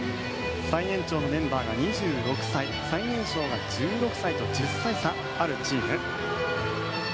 最年長のメンバーが２６歳最年少が１６歳と１０歳差あるチーム。